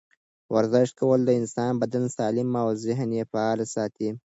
ورزش کول د انسان بدن سالم او ذهن یې فعاله ساتي.